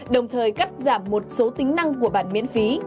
đồng thời cắt giảm một số tính năng của bản miễn phí